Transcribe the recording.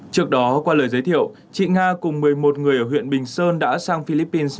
trước đó qua lời giới thiệu chị nga cùng một mươi một người ở huyện bình sơn đã sang philippines